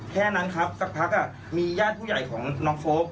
แค่นั้นครับสักพักมีญาติผู้ใหญ่ของน้องโฟลก